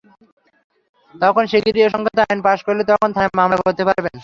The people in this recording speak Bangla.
সরকার শিগগিরই এ-সংক্রান্ত আইন পাস করলে তখন থানায় মামলা করতে পারবেন।